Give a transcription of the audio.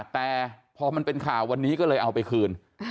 แต่พอมันเป็นข่าววันนี้ก็เลยเอาไปคืน